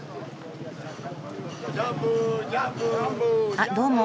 あっどうも。